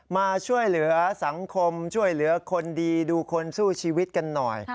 มาช่วยเหลือสังคมช่วยเหลือคนดีดูคนสู้ชีวิตกันหน่อย